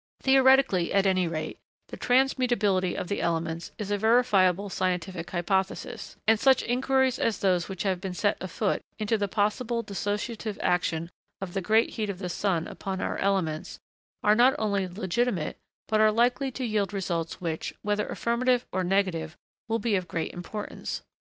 Theoretically, at any rate, the transmutability of the elements is a verifiable scientific hypothesis; and such inquiries as those which have been set afoot, into the possible dissociative action of the great heat of the sun upon our elements, are not only legitimate, but are likely to yield results which, whether affirmative or negative, will be of great importance.